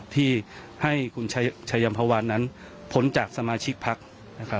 ที่ให้คุณชายัมภาวาทนั้นผลจากสมาชิกภักษ์